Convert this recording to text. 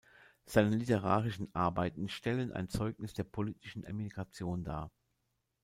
Seine literarischen Arbeiten stellen ein Zeugnis der politischen Emigration dar.